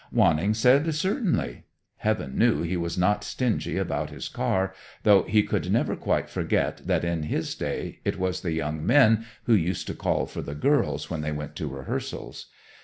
Wanning said certainly. Heaven knew he was not stingy about his car, though he could never quite forget that in his day it was the young men who used to call for the girls when they went to rehearsals.